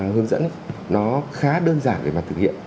hướng dẫn nó khá đơn giản để mà thực hiện